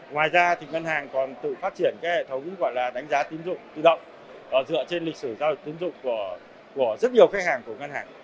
ngoài ra thì ngân hàng còn tự phát triển cái hệ thống gọi là đánh giá tín dụng tự động dựa trên lịch sử giao dịch tiến dụng của rất nhiều khách hàng của ngân hàng